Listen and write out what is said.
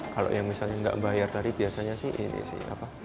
kalau yang misalnya nggak bayar tadi biasanya sih ini sih